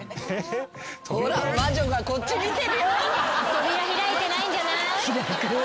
扉開いてないんじゃない？